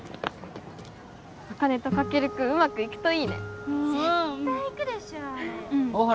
茜とカケル君うまくいくといいね絶対いくでしょあれ大原